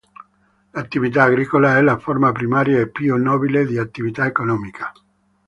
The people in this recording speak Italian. L'attività agricola è la forma primaria e più nobile di attività economica.